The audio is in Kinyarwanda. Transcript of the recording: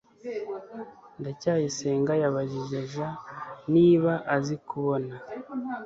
ndacyayisenga yabajije j niba azi kuboha